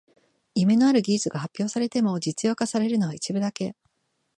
夢のある技術が発表されても実用化されるのは一部だけ